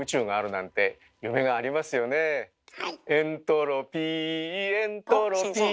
「エントロピーエントロピー」